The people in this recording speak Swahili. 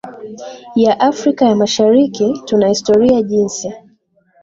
ya Afrika ya mashariki Tuna historia jinsi